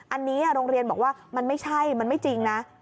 อันนี้โรงเรียนบอกว่ามันไม่ใช่มันไม่จริงนะ